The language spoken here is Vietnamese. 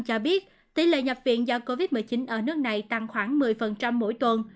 cho biết tỷ lệ nhập viện do covid một mươi chín ở nước này tăng khoảng một mươi mỗi tuần